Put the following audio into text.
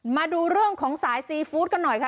มาดูเรื่องของสายซีฟู้ดกันหน่อยค่ะ